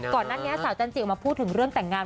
ก่อนหน้านี้สาวจันจิออกมาพูดถึงเรื่องแต่งงาน